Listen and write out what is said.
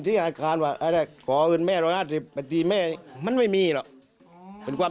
ถ้าเราก็เหมาระดับรูปก็ม